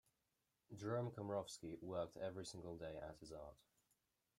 Gerome Kamrowski worked every single day at his art.